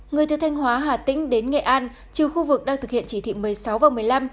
người từ thanh hóa hà tĩnh đến nghệ an trừ khu vực đang thực hiện chỉ thị một mươi sáu và một mươi năm